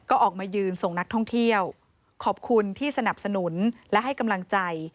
ก็ออกมายืนส่งนักท่องเที่ยวขอบคุณที่สนับสนุนและให้กำลังใจ